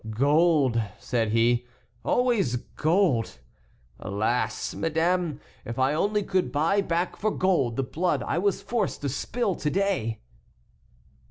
"Gold!" said he; "always gold! Alas! madame, if I only could buy back for gold the blood I was forced to spill to day!"